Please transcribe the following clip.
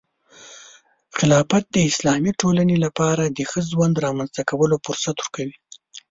خلافت د اسلامي ټولنې لپاره د ښه ژوند رامنځته کولو فرصت ورکوي.